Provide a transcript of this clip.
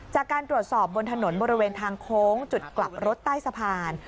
จากการตรวจสอบบนถนนบริเวณทางโค้งจุดกลับรถใต้สะพาน